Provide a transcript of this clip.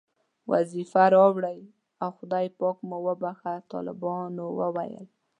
وظیفه راوړئ او خدای پاک مو وبښه، طالبانو وویل.